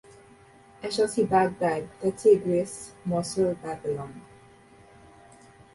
I shall see Baghdad, the Tigris, Mossul, Babylon.